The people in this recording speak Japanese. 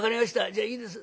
じゃあいいです。